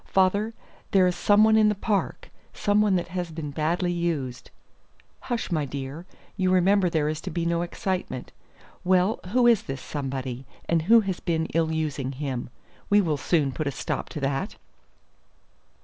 Father, there is some one in the park some one that has been badly used." "Hush, my dear; you remember there is to be no excitement. Well, who is this somebody, and who has been ill using him? We will soon put a stop to that."